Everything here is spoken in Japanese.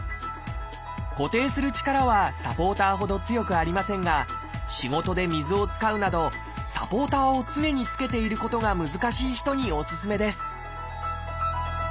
固定する力はサポーターほど強くありませんが仕事で水を使うなどサポーターを常につけていることが難しい人におすすめです